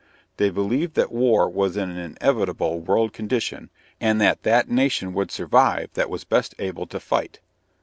They believed that war was an inevitable world condition, and that that nation would survive that was best able to fight.